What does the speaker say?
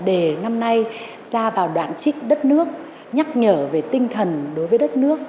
đề năm nay ra vào đoạn trích đất nước nhắc nhở về tinh thần đối với đất nước